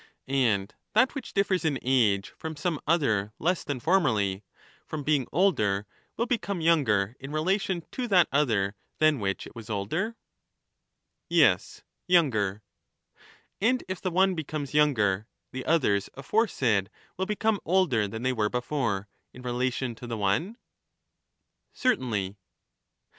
And that which differs in age from some other less than wiUbysuch formerly, from being older will become younger in relation become to that other than which it was older ? younger •KT than the Yes, younger. ^^^ers. And if the one becomes younger the others aforesaid will and they become older than they were before, in relation to the one. ^^\^ Certainly.